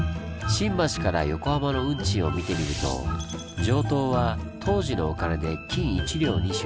新橋から横浜の運賃を見てみると上等は当時のお金で「金一両二朱」